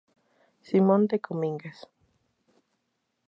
Simón de Cominges.